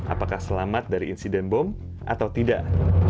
apakah selamat dari insiden bom atau tidak